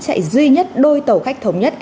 chạy duy nhất đôi tàu khách thống nhất